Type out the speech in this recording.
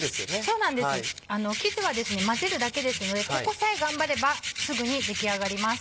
そうなんです生地は混ぜるだけですのでここさえ頑張ればすぐに出来上がります。